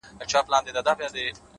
نیت عمل ته اخلاق ورکوي